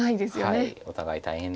はいお互い大変です。